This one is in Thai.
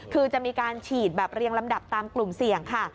คือจะมีการฉีดแบบเรียงลำดับตามกลุ่มเสี่ยงค่ะ